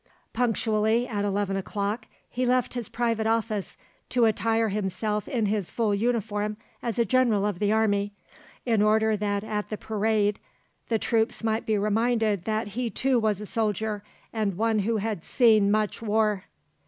Punctually at eleven o'clock he left his private office to attire himself in his full uniform as a general of the army, in order that at the parade the troops might be reminded that he too was a soldier and one who had seen much war.